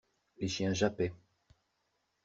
Les chiens jappaient.